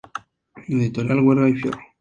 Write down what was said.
Editorial Huerga y Fierro.